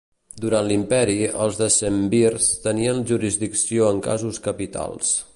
Durant l'Imperi els decemvirs tenien jurisdicció en casos capitals.